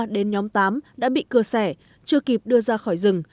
đến nhóm tám đã bị cưa xẻ chưa kịp đưa ra khỏi rừng